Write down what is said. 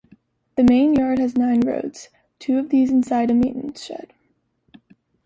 The main yard has nine roads, two of these inside a maintenance shed.